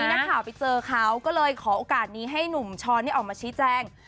นักข่าวไปเจอเขาก็เลยขอโอกาสนี้ให้หนุ่มช้อนออกมาชี้แจง